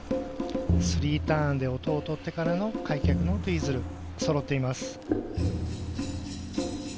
スリーターンで音を取ってからの開脚のツイズル。